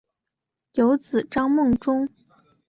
有子张孟中。